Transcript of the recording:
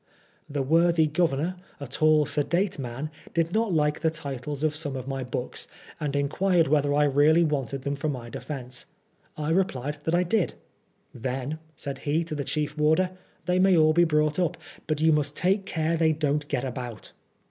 The worthy Governor, a tall sedate man, did not like the titles of some of my books, and inquired whether I really wanted them for my defence. I replied that I did. " Then," said he to the chief warder, " they may all be brought up, but you must take care they don't get about."